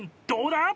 どうだ！？